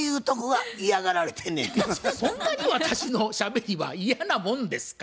そんなに私のしゃべりは嫌なもんですか？